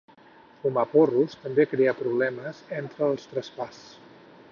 Fumar porros també creà problemes entre els Trapas.